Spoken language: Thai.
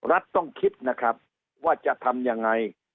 รัฐต้องคิดนะครับว่าจะทำยังไง